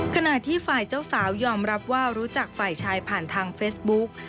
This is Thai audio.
ขณะที่ฝ่ายเจ้าสาวยอมรับว่ารู้จักฝ่ายชายผ่านทางเฟซบุ๊ก